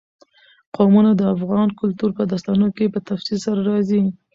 قومونه د افغان کلتور په داستانونو کې په تفصیل سره راځي.